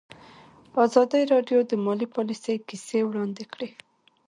ازادي راډیو د مالي پالیسي کیسې وړاندې کړي.